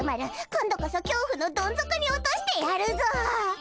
今度こそ恐怖のどん底に落としてやるぞ！